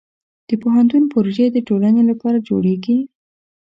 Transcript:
د پوهنتون پروژې د ټولنې لپاره جوړېږي.